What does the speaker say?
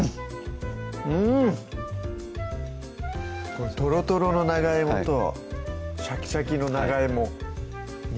うんとろとろの長いもとシャキシャキの長いも２